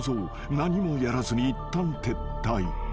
［何もやらずにいったん撤退］